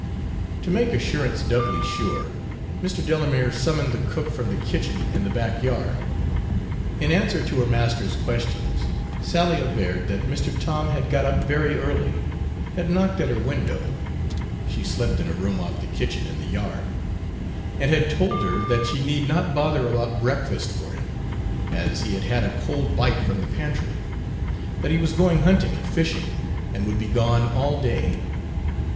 To make assurance doubly sure, Mr. Delamere summoned the cook from the kitchen in the back yard. In answer to her master's questions, Sally averred that Mr. Tom had got up very early, had knocked at her window, she slept in a room off the kitchen in the yard, and had told her that she need not bother about breakfast for him, as he had had a cold bite from the pantry; that he was going hunting and fishing, and would be gone all day.